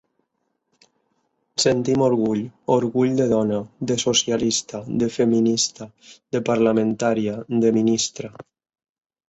Sentim orgull; orgull de dona, de socialista, de feminista, de parlamentària, de ministra.